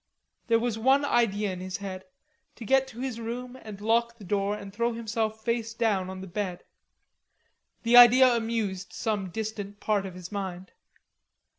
There was one idea in his head, to get to his room and lock the door and throw himself face down on the bed. The idea amused some distant part of his mind.